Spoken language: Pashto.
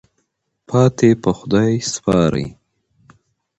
پاتې په خدای سپارئ.